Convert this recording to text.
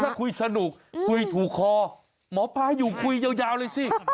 ถ้าคุยสนุกคุยถูกคอหมอปลาอยู่คุยยาวเลยสิ